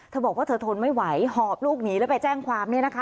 เธอบอกว่าเธอทนไม่ไหวหอบลูกหนีแล้วไปแจ้งความเนี่ยนะคะ